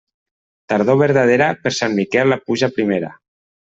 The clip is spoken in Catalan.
Tardor verdadera, per Sant Miquel la pluja primera.